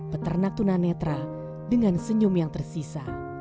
peternak tuna netra dengan senyum yang tersisa